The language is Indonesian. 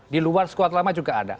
di luar squad lama juga ada